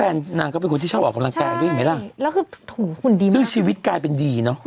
แล้วแฟนนางเขาเป็นคนที่ชอบออกกำลังกาย